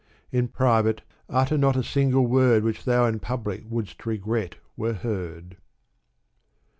In private, utter not a single word Which thou in public wouldst regret were heard.